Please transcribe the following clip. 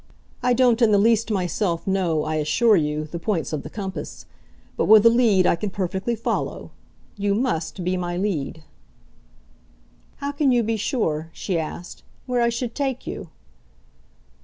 I don't in the least myself know, I assure you, the points of the compass. But with a lead I can perfectly follow. You MUST be my lead." "How can you be sure," she asked, "where I should take you?"